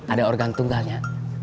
ada organ tunggalnya